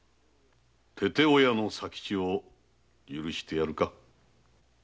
父親の佐吉を許してやるか？